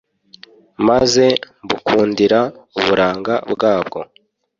maze mbukundira uburanga bwabwo.